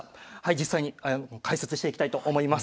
実際に解説していきたいと思います。